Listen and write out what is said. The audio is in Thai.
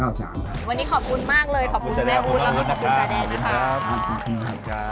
แล้วก็ขอบคุณจาแดนนะคะ